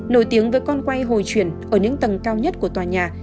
nổi tiếng với con quay hồi chuyển ở những tầng cao nhất của tòa nhà